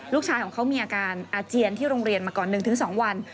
ลูกชายของเขามีอาการอาเจียนที่โรงเรียนมาก่อน๑๒วัน